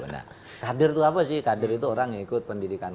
nah kader itu apa sih kader itu orang yang ikut pendidikan